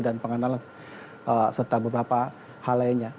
dan pengenalan serta beberapa hal lainnya